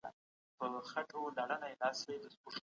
که نوي ټکنالوژي په هيواد کي نه وي، پرمختګ بيخي ناممکن دی.